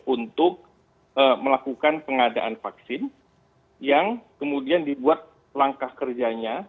untuk melakukan pengadaan vaksin yang kemudian dibuat langkah kerjanya